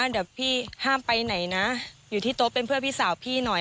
เดี๋ยวพี่ห้ามไปไหนนะอยู่ที่โต๊ะเป็นเพื่อนพี่สาวพี่หน่อย